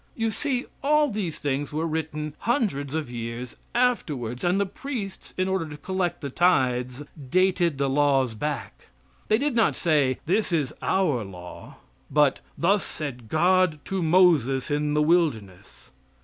You see all these things were written hundreds of years afterwards, and the priests, in order to collect the tithes, dated the laws back. They did not say, "This is our law," but, "Thus said God to Moses in the wilderness."